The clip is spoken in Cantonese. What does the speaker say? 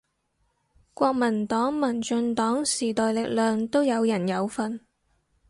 國民黨民進黨時代力量都有人有份